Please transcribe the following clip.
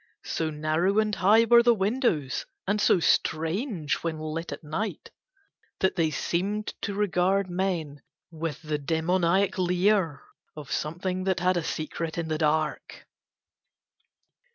So narrow and high were the windows and so strange when lighted at night that they seemed to regard men with the demoniac leer of something that had a secret in the dark.